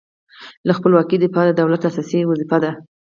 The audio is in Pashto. له خپلواکۍ دفاع د دولت اساسي دنده ده.